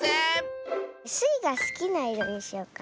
スイがすきないろにしようかな。